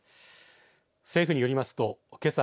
政府によりますとけさ